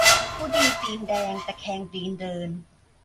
ผู้ดีตีนแดง ตะแคงตีนเดิน